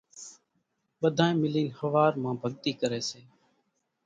ٻڌانئين ملين ۿوار مان ڀڳتي ڪري سي